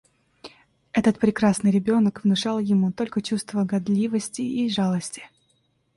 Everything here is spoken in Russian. Этот прекрасный ребенок внушал ему только чувство гадливости и жалости.